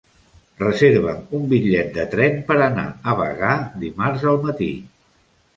Reserva'm un bitllet de tren per anar a Bagà dimarts al matí.